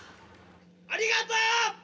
ありがとう！